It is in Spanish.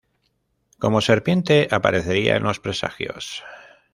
Como serpiente aparecería en los presagios.